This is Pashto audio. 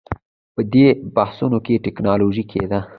په دې بحثونو کې ټینګار کېده